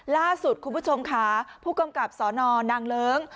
ล่าสุดคุณผู้ชมค่ะผู้กำกับสนนางเลิ้ง